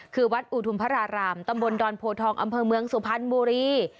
คือวัดอุทุมพระรารามตำบลดอนโพทองอำเภอเมืองสุพรรณบุรี